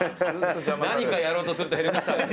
何かやろうとするとヘリコプターが。